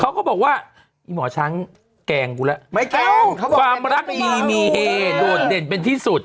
เขาก็บอกว่าหมอช้างแกงกูละความรักนี่มีเหโดยเด่นเป็นที่สุด